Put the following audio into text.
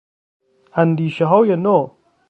اندیشههای نو